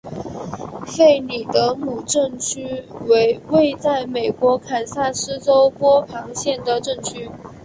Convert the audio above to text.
弗里德姆镇区为位在美国堪萨斯州波旁县的镇区。